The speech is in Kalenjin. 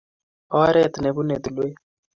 Ooret ne punei tulwet.